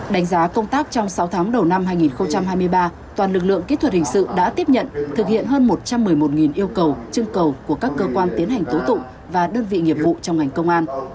đánh giá công tác trong sáu tháng đầu năm hai nghìn hai mươi ba toàn lực lượng kỹ thuật hình sự đã tiếp nhận thực hiện hơn một trăm một mươi một yêu cầu chương cầu của các cơ quan tiến hành tố tụng và đơn vị nghiệp vụ trong ngành công an